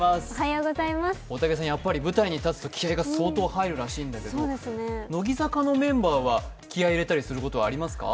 大竹さん、やっぱり舞台に立つと気合いが相当入るらしいんだけど、乃木坂のメンバーは気合い入れたりすることありますか？